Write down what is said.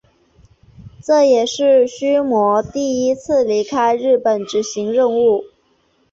这也是须磨第一次离开日本执行任务。